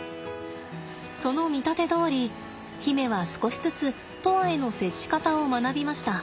その見立てどおり媛は少しずつ砥愛への接し方を学びました。